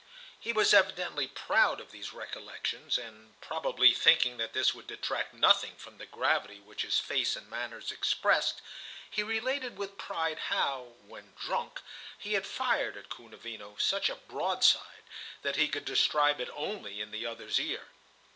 He was evidently proud of these recollections, and, probably thinking that this would detract nothing from the gravity which his face and manners expressed, he related with pride how, when drunk, he had fired, at Kounavino, such a broadside that he could describe it only in the other's ear.